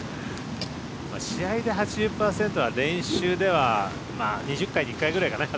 試合で８０％は練習では２０回に１回ぐらいかな。